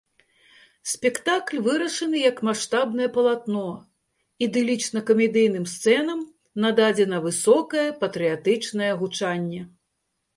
Спектакль вырашаны як маштабнае палатно, ідылічна-камедыйным сцэнам нададзена высокае патрыятычнае гучанне.